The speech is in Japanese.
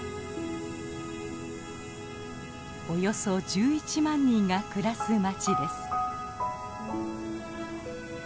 およそ１１万人が暮らす街です。